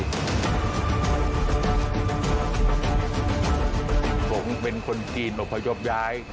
ผมเป็นคนจีนอพยพย้าย